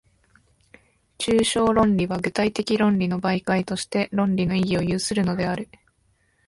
抽象論理は具体的論理の媒介として、論理の意義を有するのである。